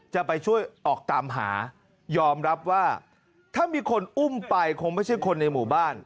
จะไปช่วยออกตามหายอมรับว่าถ้ามีคนอุ้มไปคงไม่ใช่คนในหมู่บ้าน